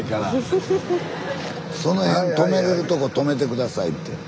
スタジオその辺止めれるとこ止めて下さいって。